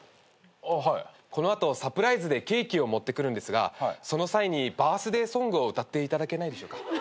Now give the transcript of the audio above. この後サプライズでケーキを持ってくるんですがその際にバースデーソングを歌っていただけないでしょうか？